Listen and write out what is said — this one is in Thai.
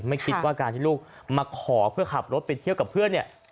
ไม่คิดว่าการที่ลูกมาขอเพื่อขับรถไปเที่ยวกับเพื่อนเนี่ย